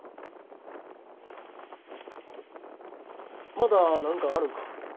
まだ何かあるんか？